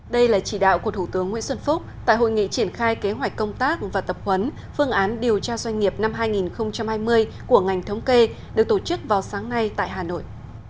đây là chỉ đạo của thủ tướng nguyễn xuân phúc tại hội nghị triển khai kế hoạch công tác và tập huấn phương án điều tra doanh nghiệp năm hai nghìn hai mươi của ngành thống kê được tổ chức vào sáng nay tại hà nội